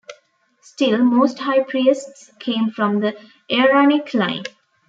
Still, most high priests came from the Aaronic line.